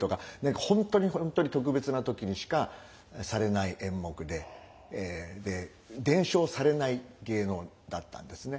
本当に本当に特別な時にしかされない演目で伝承されない芸能だったんですね。